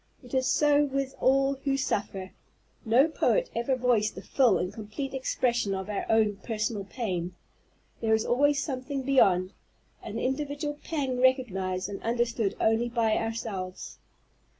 It is so with all who suffer. No poet ever voiced the full and complete expression of our own personal pain. There is always something beyond, an individual pang recognized and understood only by ourselves.